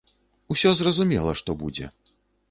Усё зразумела, што будзе!